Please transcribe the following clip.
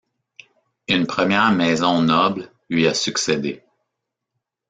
Une première maison noble lui a succédé.